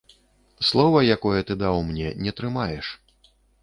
Слова, якое ты даў мне, не трымаеш.